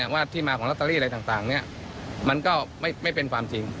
ว่าที่มาของลอตเตอรี่อะไรต่างมันก็ไม่เป็นความจริง